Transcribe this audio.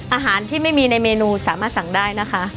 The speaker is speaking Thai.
อาหารที่ไม่มีในเมนูสามารถสั่งได้นะคะ